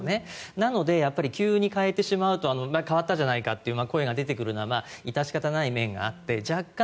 なので、急に変えてしまうと変わったじゃないかという声が出てくるのは致し方ない面があって、若干。